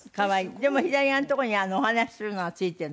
でも左側の所にお話しするのが付いてるのね。